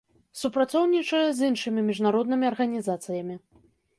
Супрацоўнічае з іншымі міжнароднымі арганізацыямі.